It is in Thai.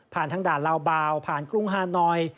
ทั้งด่านลาวบาวผ่านกรุงฮานอย